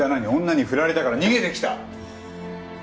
女にフラれたから逃げてきた？